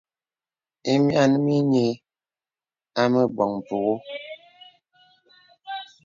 Ìmìanə̀ mì nyə̀ à mə bɔŋ mpùŋə̀.